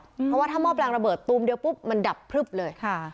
เพราะว่าถ้ามอบแรงระเบิดปุ๊บิเลยค่ะ